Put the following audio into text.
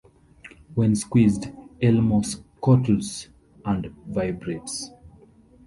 When squeezed, Elmo chortles and vibrates.